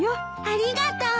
ありがとう！